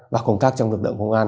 và công tác trong lực lượng công an